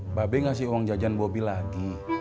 mbak be ngasih uang jajan bobby lagi